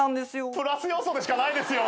プラス要素でしかないですよ。